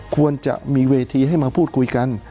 ควรจะมีเวทีให้มาพูดคุยกัน